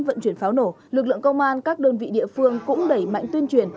vận chuyển pháo nổ lực lượng công an các đơn vị địa phương cũng đẩy mạnh tuyên truyền